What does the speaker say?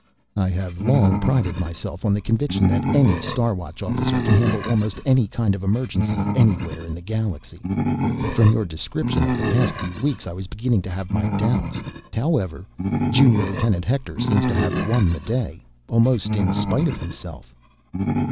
"I have long prided myself on the conviction that any Star Watch officer can handle almost any kind of emergency anywhere in the galaxy. From your description of the past few weeks, I was beginning to have my doubts. However, Junior Lieutenant Hector seems to have won the day ... almost in spite of himself."